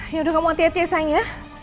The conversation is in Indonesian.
yaudah kamu hati hati ya sayang ya